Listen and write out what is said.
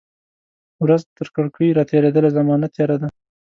ورځ ترکړکۍ را تیریدله، زمانه تیره ده